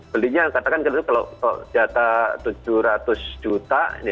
belinya katakan kalau jatah tujuh ratus juta